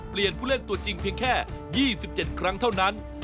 ผู้เล่นตัวจริงเพียงแค่๒๗ครั้งเท่านั้น